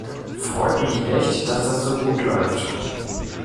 Freut mich echt, dass das so gut läuft.